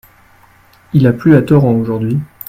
Il a plu a torrent aujourd'hui.